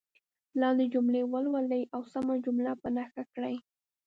لاندې جملې ولولئ او سمه جمله په نښه کړئ.